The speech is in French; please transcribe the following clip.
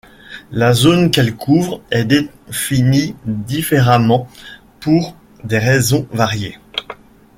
La zone qu'elle couvre est définie différemment pour des raisons variées.